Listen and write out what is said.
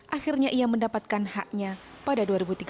akhirnya ia mendapatkan haknya pada dua ribu tiga belas